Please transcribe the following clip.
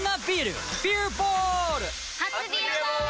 初「ビアボール」！